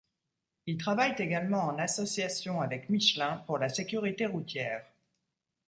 Ils travaillent également en association avec Michelin pour la sécurité routière.